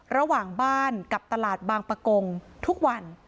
ระหว่างบ้านกับตลาดบางประกงทุกวัน